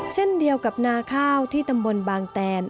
เช่นเดียวกับนาข้าวที่ตำบลบางแตน